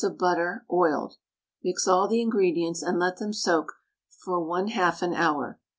of butter (oiled). Mix all the ingredients, and let them soak for 1/2 an hour.